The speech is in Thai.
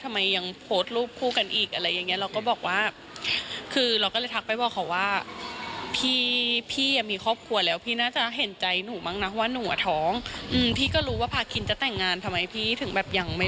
ทำไมยังโพสต์รูปคู่กันอีกอะไรอย่างนี้